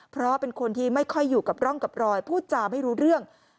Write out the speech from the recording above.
เพราะเป็นคนที่ไม่ค่อยอยู่กับร่องกับรอยพูดจาไม่รู้เรื่อง